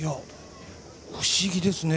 不思議ですね。